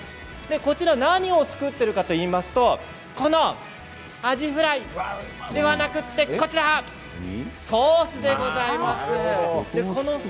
何を作っているかといいますとこの、あじフライではなくてソースでございます。